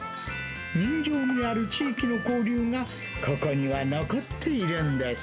人情味ある地域の交流がここには残っているんです。